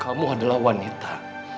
kamu adalah wanita